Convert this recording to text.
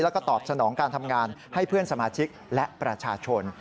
แล้วก็ตอบสนองการทำงานให้เพื่อนสมาชิกและประชาชน